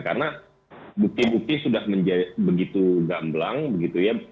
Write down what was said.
karena bukti bukti sudah begitu gamblang begitu ya